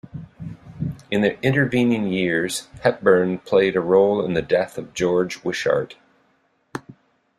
In the intervening years, Hepburn played a role in the death of George Wishart.